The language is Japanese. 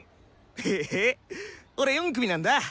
へえ俺４組なんだ。